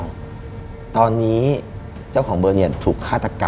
อเจมส์ตอนนี้เจ้าของเบอร์เนียนถูกฆาตกรรม